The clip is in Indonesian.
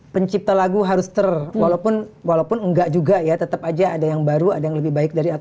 pencipta lagu harus ter walaupun enggak juga ya tetap aja ada yang baru ada yang lebih baik dari